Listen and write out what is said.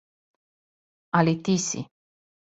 Али ти си.